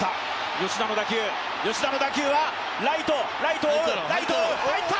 吉田の打球、吉田の打球はライト、ライト、ライト、入った！